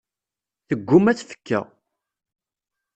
Tegguma tfekka.